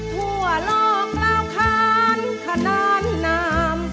ทั่วโลกเล่าค้านขนานนาม